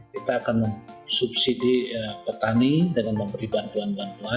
kita akan subsidi petani dengan memberi bantuan bantuan